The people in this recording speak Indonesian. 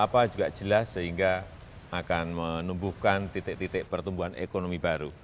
apa juga jelas sehingga akan menumbuhkan titik titik pertumbuhan ekonomi baru